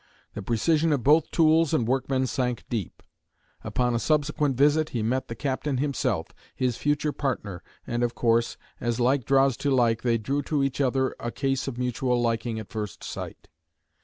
The precision of both tools and workmen sank deep. Upon a subsequent visit, he met the captain himself, his future partner, and of course, as like draws to like, they drew to each other, a case of mutual liking at first sight.